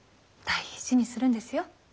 大事にするんですよ。